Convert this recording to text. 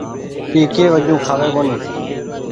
اي ڪي وجون کآوي ڪونيٚ ۔